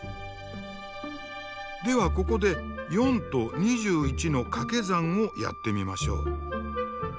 ではここで４と２１のかけ算をやってみましょう。